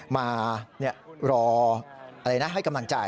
มารออะไรนะให้กำลังใจ